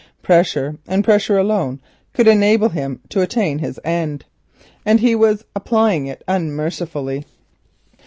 Pressure and pressure alone could enable him to attain his end, and he was applying it unmercifully.